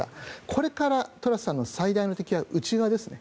これからトラスさんの最大の敵は内側ですね。